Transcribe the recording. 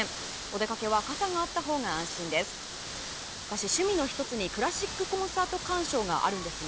お出かけは傘があったほうが安心です。